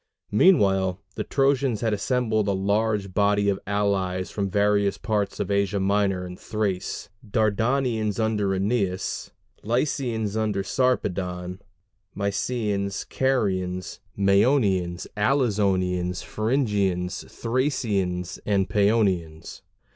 Meanwhile, the Trojans had assembled a large body of allies from various parts of Asia Minor and Thrace: Dardanians under Æneas, Lycians under Sarpedon, Mysians, Carians, Mæonians, Alizonians, Phrygians, Thracians, and Pæonians.